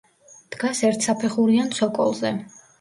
დგას ერთსაფეხურიან ცოკოლზე.